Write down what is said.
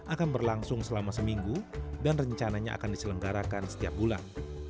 akan berlangsung selama seminggu dan rencananya akan diselenggarakan setiap bulan